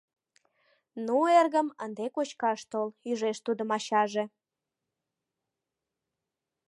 — Ну, эргым, ынде кочкаш тол, — ӱжеш тудым ачаже.